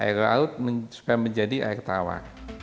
air laut supaya menjadi air tawa